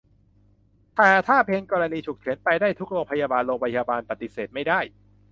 แต่ถ้าเป็นกรณีฉุกเฉิน ไปได้ทุกโรงพยาบาล โรงพยาบาลปฏิเสธไม่ได้